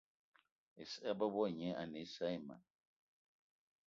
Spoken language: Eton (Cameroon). Issa bebo gne ane assa ayi ma.